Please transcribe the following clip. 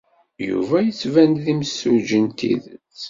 Yuba yettban-d d imsujji n tidet.